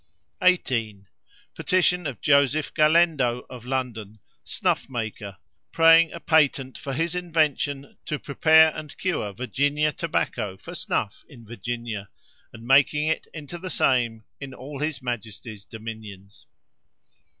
"18. Petition of Joseph Galendo of London, snuff maker, praying a patent for his invention to prepare and cure Virginia tobacco for snuff in Virginia, and making it into the same in all his majesty's dominions."